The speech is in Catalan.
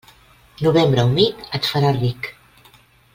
Novembre humit, et farà ric.